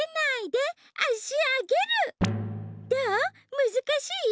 むずかしい？